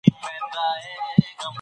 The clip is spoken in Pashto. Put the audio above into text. يووالي کي برکت دی.